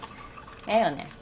ええよね？